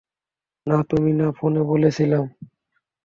না তুমি না, ফোনে বলছিলাম।